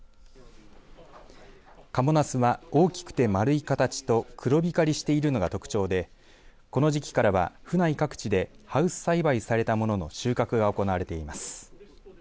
賀茂なすは大きくて丸い形と黒光りしているのが特徴でこの時期からは府内各地でハウス栽培されたものの収穫が行われています。